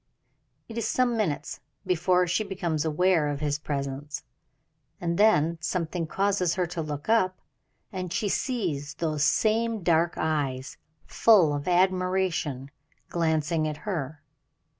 It is some minutes before she becomes aware of his presence, and then something causes her to look up, and she sees those same dark eyes, full of admiration, glancing at her.